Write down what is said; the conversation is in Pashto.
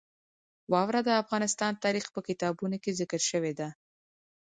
واوره د افغان تاریخ په کتابونو کې ذکر شوې ده.